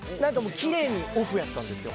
きれいにオフだったんですよ。